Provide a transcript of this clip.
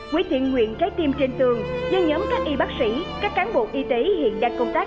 nguyễn thiện nguyện trái tim trên tường do nhóm các y bác sĩ các cán bộ y tế hiện đang công tác